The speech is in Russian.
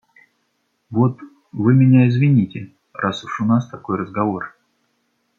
Вот Вы меня извините, раз уж у нас такой разговор.